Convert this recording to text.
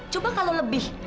coba kalau lebih